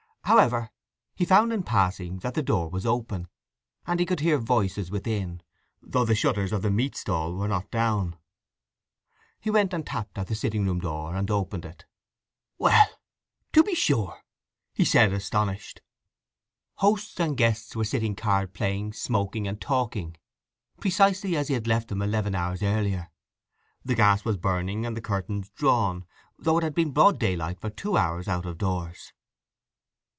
However, he found in passing that the door was open, and he could hear voices within, though the shutters of the meat stall were not down. He went and tapped at the sitting room door, and opened it. "Well—to be sure!" he said, astonished. Hosts and guests were sitting card playing, smoking, and talking, precisely as he had left them eleven hours earlier; the gas was burning and the curtains drawn, though it had been broad daylight for two hours out of doors.